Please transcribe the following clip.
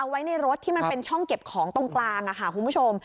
ไว้ในรถที่มันเป็นช่องเก็บของตรงกลางค่ะคุณผู้ชม